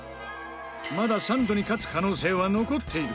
まだサンドに勝つ可能性は残っている。